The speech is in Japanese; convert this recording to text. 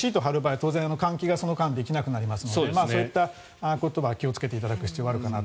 当然、換気がその間、できなくなりますのでそういったことは気をつけていただく必要があるかなと。